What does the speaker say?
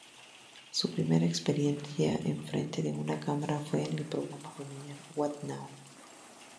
Su primera experiencia enfrente de una cámara fue en el programa familiar "What Now".